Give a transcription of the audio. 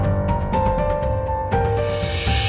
tidak ada kembali